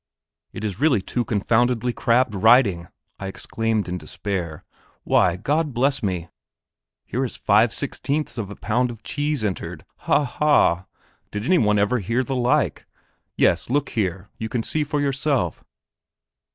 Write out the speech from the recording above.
"It is really too confoundedly crabbed writing," I exclaimed in despair. "Why, God bless me, here is 5/16ths of a pound of cheese entered ha, ha! did any one ever hear the like? Yes, look here; you can see for yourself."